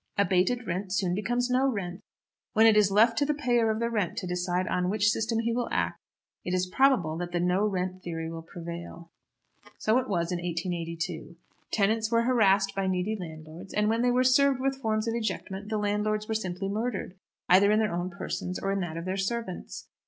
Abated rent soon becomes no rent. When it is left to the payer of the rent to decide on which system he will act, it is probable that the no rent theory will prevail. So it was in 1882. Tenants were harassed by needy landlords, and when they were served with forms of ejectment the landlords were simply murdered, either in their own persons or in that of their servants.